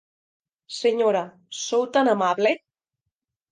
Senyora, sou tan amable!